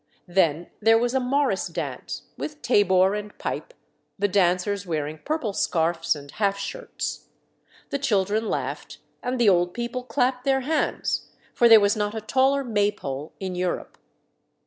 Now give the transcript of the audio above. Then there was a morris dance, with tabor and pipe, the dancers wearing purple scarfs and "half shirts." The children laughed, and the old people clapped their hands, for there was not a taller Maypole in Europe.